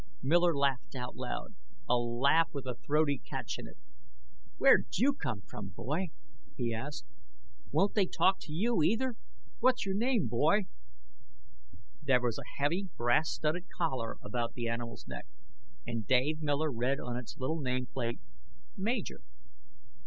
Miller laughed out loud, a laugh with a throaty catch in it. "Where'd you come from, boy?" he asked. "Won't they talk to you, either? What's your name, boy?" There was a heavy, brass studded collar about the animal's neck, and Dave Miller read on its little nameplate: "Major."